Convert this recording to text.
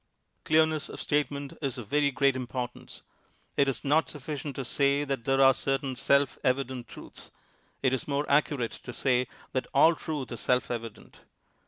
Clearness of statement is of very great impor tance. It is not sufficient to say that there are certain self evident truths; it is more accurate to say that all truth is self evident.